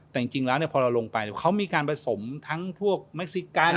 แต่จริงแล้วเนี่ยพอเราลงไปเป็นเขามีการผสมทั้งพวกเมกซิกันน์